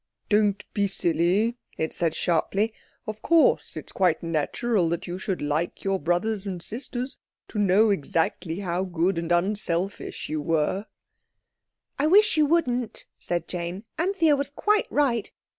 "Don't be silly," it said sharply. "Of course, it's quite natural that you should like your brothers and sisters to know exactly how good and unselfish you were." "I wish you wouldn't," said Jane. "Anthea was quite right.